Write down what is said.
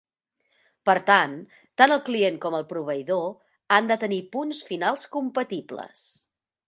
Per tant, tant el client com el proveïdor han de tenir punts finals compatibles.